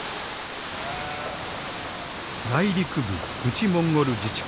内陸部内モンゴル自治区。